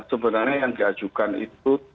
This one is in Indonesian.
sebenarnya yang diajukan itu